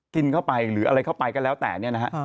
กินเข้าไปหรืออะไรเข้าไปก็แล้วแต่เนี่ยนะฮะ